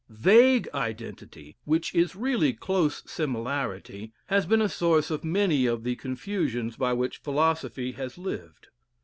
Vague identity, which is really close similarity, has been a source of many of the confusions by which philosophy has lived.